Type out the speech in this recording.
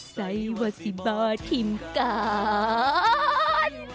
สัยวสิบาทิมกัน